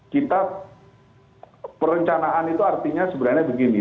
kita perencanaan itu artinya sebenarnya begini